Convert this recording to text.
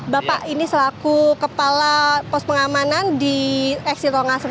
bapak ini selaku kepala pos pengamanan di eksit colomadung